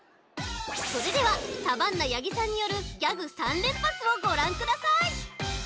それではサバンナ八木さんによるギャグ３連発をごらんください！